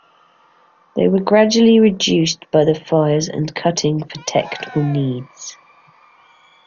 They were gradually reduced by the fires and cutting for technical needs.